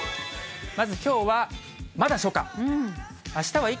まずきょうはまだ初夏。